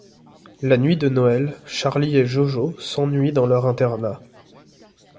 La nuit de Noël, Charlie et Jojo s'ennuient dans leur internat.